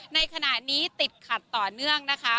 ในขณะนี้ติดขัดต่อเนื่องนะคะ